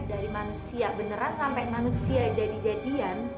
dari manusia beneran sampai manusia jadi jadian